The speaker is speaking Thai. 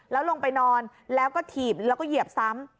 แล้วลงไปนอนแล้วก็ถีบแล้วก็เหยียบซ้ำ